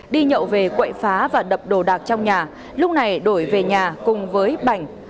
đi nhậu về quậy phá và đập đồ đạc trong nhà lúc này đổi về nhà cùng với bảnh